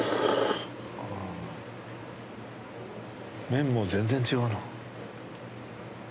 麺も全然違うな。